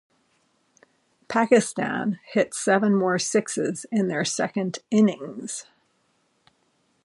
Pakistan hit seven more sixes in their second innings.